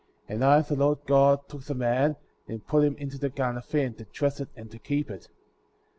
15. And I, the Lord God, took the man, and put him into the Garden of Eden,^ to dress it, and to keep it.